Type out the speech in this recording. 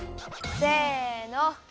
せの。